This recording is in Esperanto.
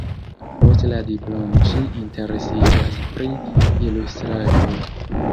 Post la diplomo ŝi interesiĝas pri ilustraĵoj.